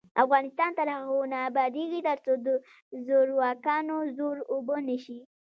افغانستان تر هغو نه ابادیږي، ترڅو د زورواکانو زور اوبه نشي.